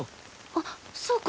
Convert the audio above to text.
あっそうか。